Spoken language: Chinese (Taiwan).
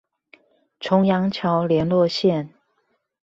重陽橋聯絡線